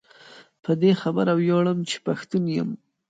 په دي خبره وياړم چي پښتون يم